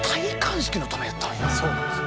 そうなんですよ。